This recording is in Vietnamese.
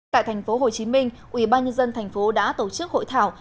tại thành phố hồ chí minh ủy ban nhân dân thành phố đã tổ chức hội thảo